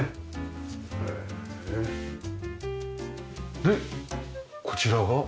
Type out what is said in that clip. でこちらが。